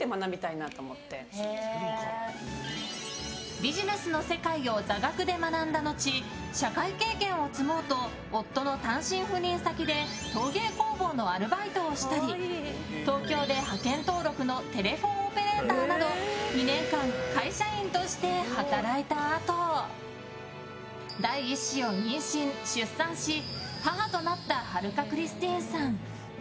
ビジネスの世界を座学で学んだ後社会経験を積もうと夫の単身赴任先で陶芸工房のアルバイトをしたり東京で派遣登録のテレホンオペレーターなど２年間、会社員として働いたあと第１子を妊娠・出産し母となった春香クリスティーンさん。